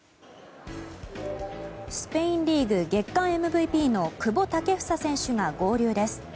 スペインリーグ月間ＭＶＰの久保建英選手が合流です。